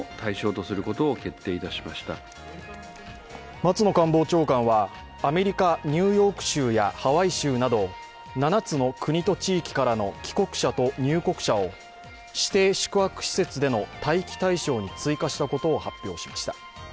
松野官房長官は、アメリカ・ニューヨーク州やハワイ州など７つの国と地域からの帰国者と入国者を指定宿泊施設での待機対象に追加したことを発表しました。